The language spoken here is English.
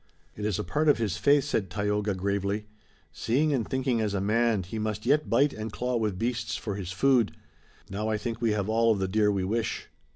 "It is a part of his fate," said Tayoga gravely. "Seeing and thinking as a man, he must yet bite and claw with beasts for his food. Now I think we have all of the deer we wish."